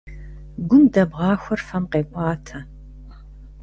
Гум дэбгъахуэр фэм къеӀуатэ.